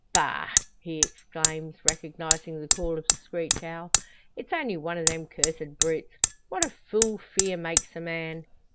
"Bah!" he exclaims, recognising the call of the screech owl, "it's only one o' them cursed brutes. What a fool fear makes a man!"